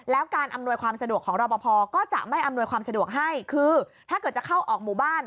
แล้วการอำนวยความสะดวกของรอปภก็จะไม่อำนวยความสะดวกให้คือถ้าเกิดจะเข้าออกหมู่บ้าน